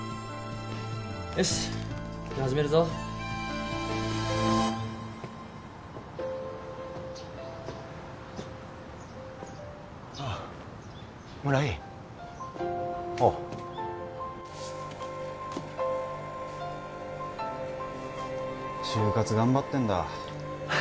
よしじゃ始めるぞ村井ああ就活頑張ってんだ